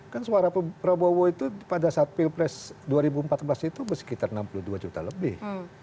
kan suara prabowo itu pada saat pilpres dua ribu empat belas itu sekitar enam puluh dua juta lebih